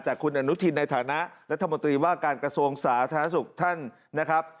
แต่คุณอนุทินในฐานะรัฐมนตรีว่าการกระทรวงสาธารณสุขท่านนะครับ